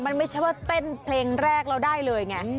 มันไม่ใช่ว่าเต้นเพลงแรกเราได้เลยไง